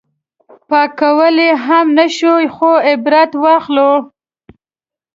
پاک کولی یې هم نه شو خو عبرت واخلو.